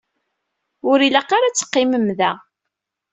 Ur ilaq ara ad teqqimem da.